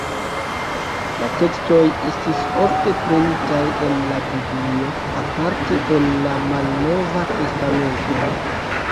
La tekstoj estis ofte prenitaj el la Biblio, aparte el la Malnova testamento.